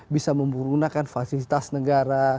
bisa menggunakan fasilitas negara